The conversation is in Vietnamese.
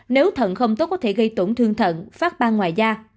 nếu thận không tốt có thể gây tổn thương thận phát bang ngoài da